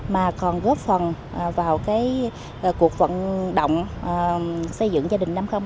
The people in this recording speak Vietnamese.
mà còn góp phần vào cuộc vận động xây dựng gia đình năm